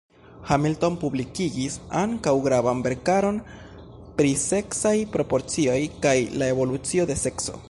Hamilton publikigis ankaŭ gravan verkaron pri seksaj proporcioj kaj la evolucio de sekso.